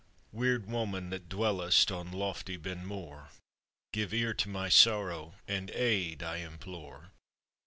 ] "Weird woman, that dwellest on lofty Ben Mor, Give ear to my sorrow, and aid, I implore.